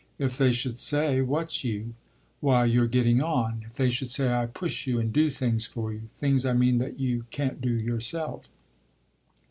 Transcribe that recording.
"If they should say what's you?" "Why your getting on. If they should say I push you and do things for you. Things I mean that you can't do yourself."